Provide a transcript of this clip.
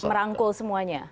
jadi merangkul semuanya